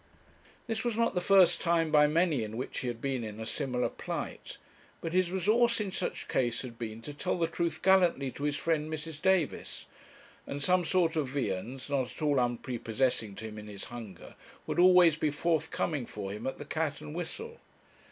This was not the first time by many in which he had been in a similar plight but his resource in such case had been to tell the truth gallantly to his friend Mrs. Davis; and some sort of viands, not at all unprepossessing to him in his hunger, would always be forthcoming for him at the 'Cat and Whistle.'